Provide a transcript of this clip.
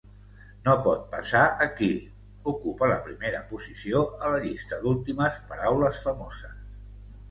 "No pot passar aquí" ocupa la primera posició a la llista d'últimes paraules famoses.